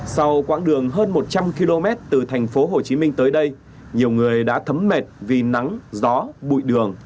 sau quãng đường hơn một trăm linh km từ thành phố hồ chí minh tới đây nhiều người đã thấm mệt vì nắng gió bụi đường